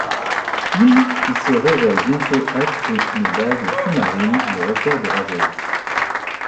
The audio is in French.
Île qui se révèle bientôt être une base sous-marine, le repaire de Razov.